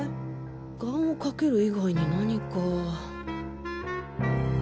願をかける以外に何か。